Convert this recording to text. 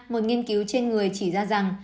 một nghiên cứu trên người chỉ ra rằng